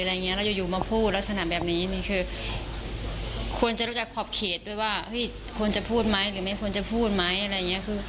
เราอยู่มาพูดลักษณะแบบนี้คือควรจะรู้จักขอบเขตด้วยว่าควรจะพูดไหมหรือไม่ควรจะพูดไหม